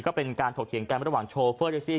ก็เป็นการถกเถียงกันระหว่างโชเฟอร์แท็กซี่